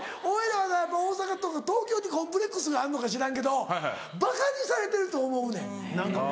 俺らはな大阪とか東京にコンプレックスがあるのか知らんけどばかにされてると思うねん。